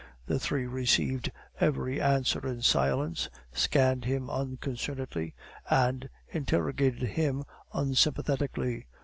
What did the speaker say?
The three received every answer in silence, scanned him unconcernedly, and interrogated him unsympathetically.